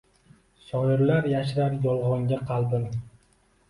Shoirlar yashirar yolgʻonga qalbin